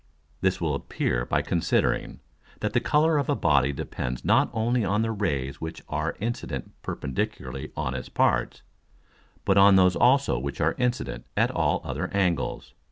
_ This will appear by considering, that the Colour of a Body depends not only on the Rays which are incident perpendicularly on its parts, but on those also which are incident at all other Angles.